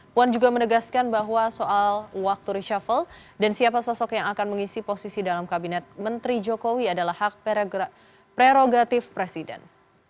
puan juga menegaskan bahwa soal waktu reshuffle dan siapa sosok yang akan mengisi posisi dalam kabinet menteri jokowi adalah hak prerogatif presiden